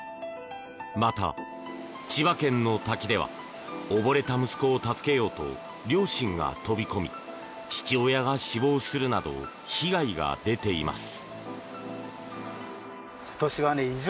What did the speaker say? また、千葉県の滝では溺れた息子を助けようと両親が飛び込み父親が死亡するなど被害が出ています。